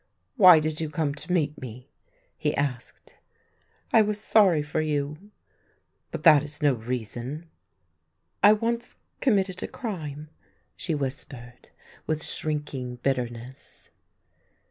" Why did you come to meet me? " he asked. " I was sorry for you." " But that is no reason." " I once committed a crime," she whispered, with shrinking bitterness.